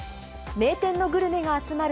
名店のグルメが集まる